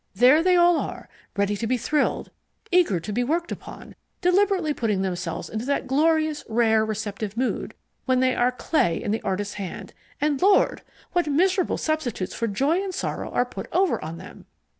There they all are, ready to be thrilled, eager to be worked upon, deliberately putting themselves into that glorious, rare, receptive mood when they are clay in the artist's hand and Lord! what miserable substitutes for joy and sorrow are put over on them!